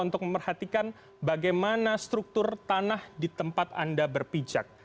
untuk memperhatikan bagaimana struktur tanah di tempat anda berpijak